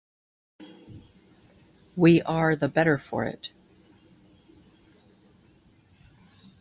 We are the better for it.